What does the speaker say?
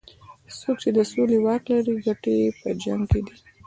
څوک چې د سولې واک لري ګټې یې په جنګ کې دي.